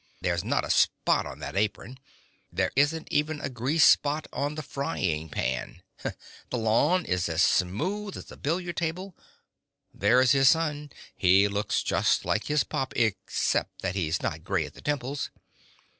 There's not a spot on that apron. There isn't even a grease spot on the frying pan. The lawn is as smooth as a billiard table. There's his son; he looks just like his pop, except that he's not grey at the temples.